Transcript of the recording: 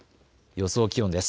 予想気温です。